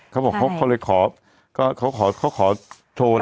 เขาบอกเขาครับเขาเลยขอก็เขาขอเขาขอโทร